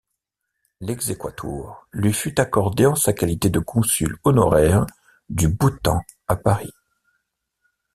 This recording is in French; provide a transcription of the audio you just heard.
L'exequatur lui fut accordé en sa qualité de consul honoraire du Bhoutan à Paris.